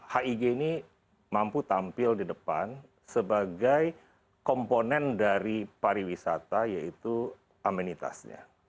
hig ini mampu tampil di depan sebagai komponen dari pariwisata yaitu amenitasnya